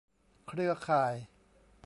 เครือข่าย